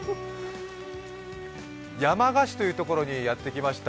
山鹿市というところにやってきました。